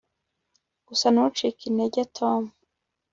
Gusa ntucike intege Tom